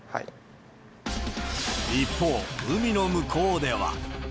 一方、海の向こうでは。